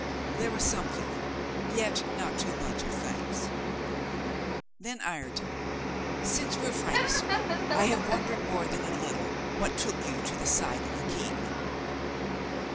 There was something, yet not too much of thanks. Then Ireton, "Since we're frank, sir, I have wondered more than a little what took you to the side of the King."